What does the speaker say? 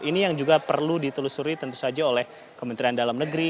ini yang juga perlu ditelusuri tentu saja oleh kementerian dalam negeri